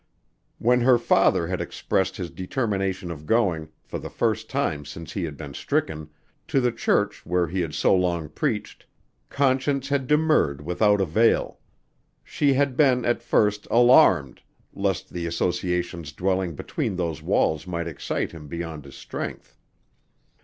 When her father had expressed his determination of going, for the first time since he had been stricken, to the church where he had so long preached, Conscience had demurred without avail. She had been, at first, alarmed, lest the associations dwelling between those walls might excite him beyond his strength.